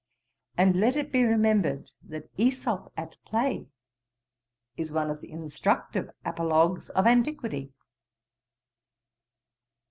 And let it be remembered, that Æsop at play is one of the instructive apologues of antiquity.